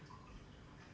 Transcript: tentang apa yang terjadi